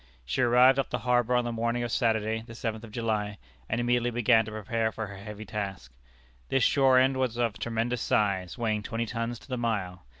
She arrived off the harbor on the morning of Saturday, the seventh of July, and immediately began to prepare for her heavy task. This shore end was of tremendous size, weighing twenty tons to the mile.